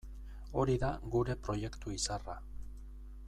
Hori da gure proiektu izarra.